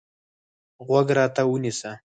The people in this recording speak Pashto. غوږ راته ونیسه.